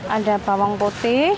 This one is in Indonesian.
ada bawang putih